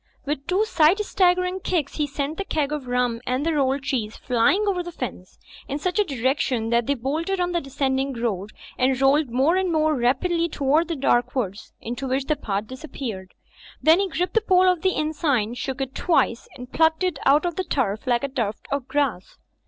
With two sight staggering kicks he sent the keg of rum and the roimd cheese flying over the fence, in such a direction that they boimded on the descend ing road and rolled more and more rapidly down toward the dark woods into which the path disap peared. Then he gripped the pole of the inn sign, shook it twice and plucked it out of the turf like a tuft of grass.